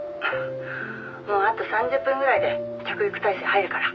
「もうあと３０分ぐらいで着陸態勢に入るから」